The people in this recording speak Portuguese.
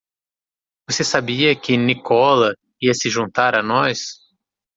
Você sabia que Nikola ia se juntar a nós?